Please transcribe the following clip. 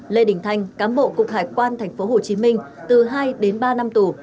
lê đình thanh cám bộ cục hải quan tp hcm từ hai đến ba năm tù